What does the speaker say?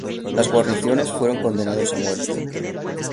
Las guarniciones fueron condenados a muerte.